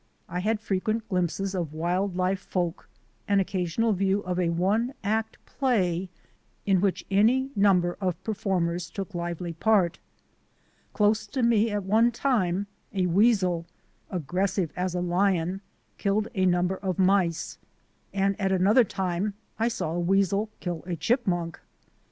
I had frequent glimpses of wild life folk, an occasional view of a one act play in which any number of performers took lively part. Close to me at one time a weasel, aggressive as a lion, killed a number of mice, and at another time I saw a weasel kill a chipmunk.